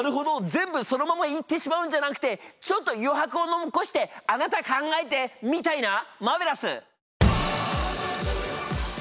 全部そのまま言ってしまうんじゃなくてちょっと余白を残して「あなた考えて」みたいな！マーベラス！